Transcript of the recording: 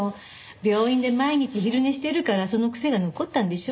病院で毎日昼寝してるからその癖が残ったんでしょ。